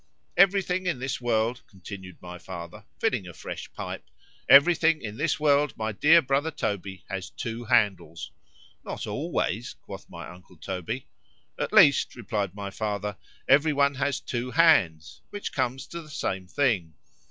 Every thing in this world, continued my father (filling a fresh pipe)—every thing in this world, my dear brother Toby, has two handles.——Not always, quoth my uncle Toby.——At least, replied my father, every one has two hands,——which comes to the same thing.